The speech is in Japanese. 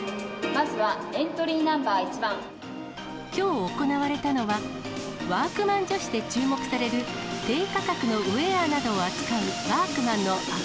まずはエントリーナンバー１きょう行われたのは、ワークマン女子で注目される、低価格のウエアなどを扱うワークマンの秋